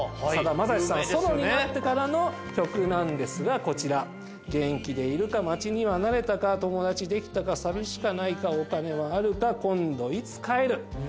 さだまさしさん、ソロになってからの曲なんですが、こちら、元気でいるか、街には慣れたか、友達できたか、寂しくないか、お金はあるか、今度いつ帰る。